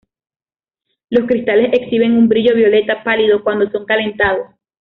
Los cristales exhiben un brillo violeta pálido cuando son calentados.